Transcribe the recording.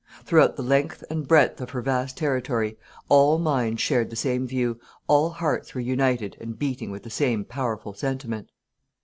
Throughout the length and breadth of her vast territory, all minds shared the same view, all hearts were united and beating with the same powerful sentiment."